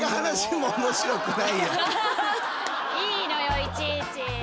いいのよいちいち。